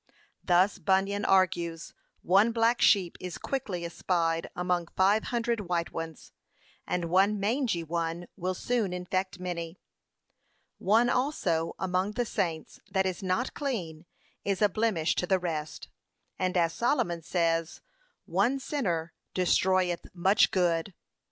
Thus Bunyan argues, 'One black sheep is quickly espied among five hundred white ones, and one mangey one will soon infect many. One also, among the saints, that is not clean, is a blemish to the rest, and as Solomon says, 'One sinner destroyeth much good.' p.